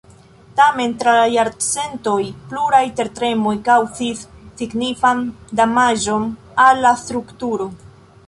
Tamen tra la jarcentoj pluraj tertremoj kaŭzis signifan damaĝon al la strukturo.